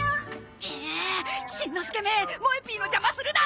くうしんのすけめ！もえＰの邪魔するな！